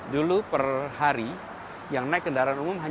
dulu per hari yang naik kendaraan umum